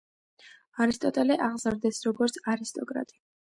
არისტოტელე აღზარდეს, როგორც არისტოკრატი.